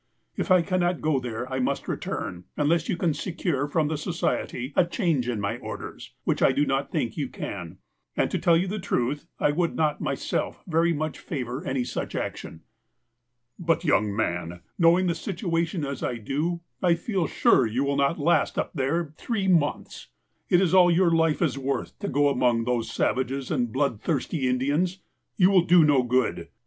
If I cannot go there, I must return, unless you can secure from the So ciety a change in my orders, which I do not think you can. And, to tell you the truth, I would not myself very much favour any such action." " But, young man, knowing the situation as I do, I feel sure you will not last up there three months. It is all your life is worth to go among those savage and blood thirsty Indians. You will do no good.